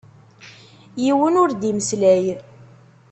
Yiwen ur d-imeslay.